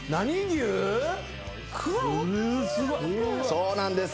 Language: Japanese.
そうなんです。